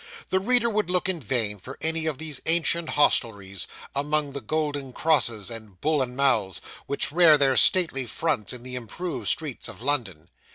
The reader would look in vain for any of these ancient hostelries, among the Golden Crosses and Bull and Mouths, which rear their stately fronts in the improved streets of London.